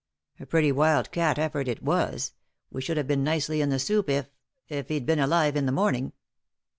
"A pretty wild cat effort it was I We should have been nicely in the soup if — if he'd been alive in the morning."